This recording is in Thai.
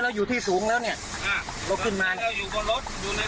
เราอยู่ที่สูงแล้วเนี้ยอ่าเราขึ้นมาเราอยู่บนรถอยู่ในรถ